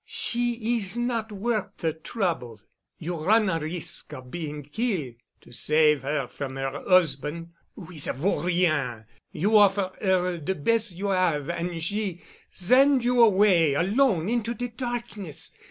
"She is not worth de trouble. You run a risk of being kill', to save 'er from 'er 'usban' who is a vaut rien, you offer 'er de bes' you 'ave an' she send you away alone into de darkness.